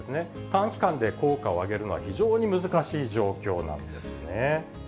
短期間で効果を上げるのは非常に難しい状況なんですね。